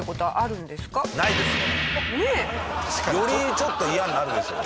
よりちょっと嫌になるでしょ。